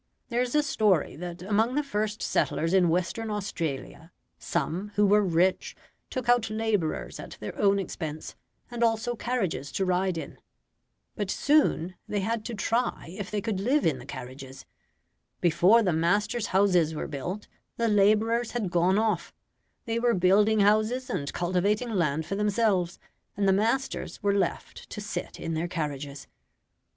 There is a story that among the first settlers in Western Australia, some, who were rich, took out labourers at their own expense, and also carriages to ride in. But soon they had to try if they could live in the carriages. Before the masters' houses were built, the labourers had gone off they were building houses and cultivating land for themselves, and the masters were left to sit in their carriages.